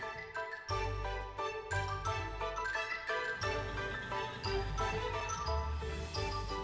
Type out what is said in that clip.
pembeli mobil yang berbeda beda